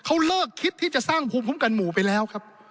เขาเลิกคิดที่จะสร้างภูมิคุ้มกันหมู่ไปแล้วครับ